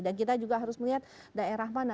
dan kita juga harus melihat daerah mana